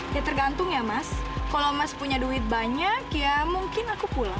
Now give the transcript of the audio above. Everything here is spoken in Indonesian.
ya tergantung ya mas kalau mas punya duit banyak ya mungkin aku pulang